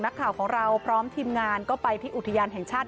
นักข่าวของเราพร้อมทีมงานก็ไปที่อุทยานแห่งชาติ